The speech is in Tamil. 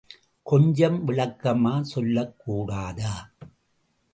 கொஞ்சம் விளக்கமா சொல்லக்கூடாதா?